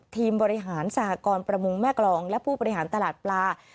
ทีมบริหารสหกรประมงแม่กรองและผู้บริหารตลาดปลา